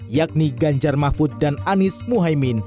yakni ganjar mahfud dan anies muhaymin